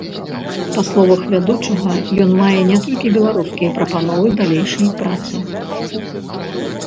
Па словах вядучага, ён мае не толькі беларускія прапановы далейшай працы.